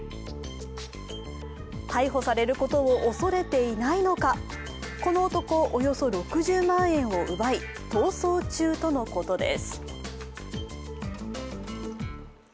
逮捕されることを恐れていないのか、この男、およそ６０万円を奪い逃走中とのことです。